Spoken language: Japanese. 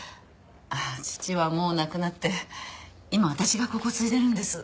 あっ父はもう亡くなって今は私がここを継いでるんです。